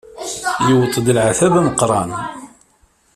Yuweḍ-d leɛtab ameqran.